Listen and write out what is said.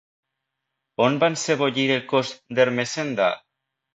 On van sebollir el cos d'Ermessenda?